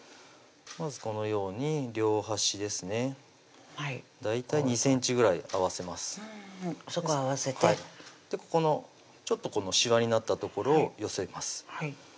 まずこのように両端ですね大体２ｃｍぐらい合わせますでここのちょっとしわになった所を寄せます